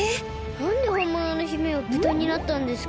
なんでほんものの姫はブタになったんですか？